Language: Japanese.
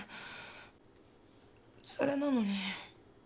それなのに。